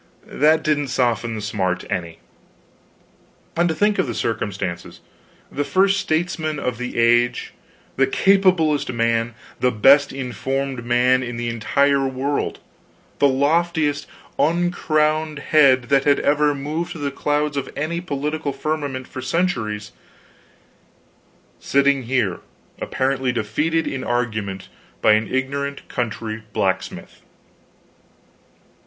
That didn't soften the smart any. And to think of the circumstances! the first statesman of the age, the capablest man, the best informed man in the entire world, the loftiest uncrowned head that had moved through the clouds of any political firmament for centuries, sitting here apparently defeated in argument by an ignorant country blacksmith!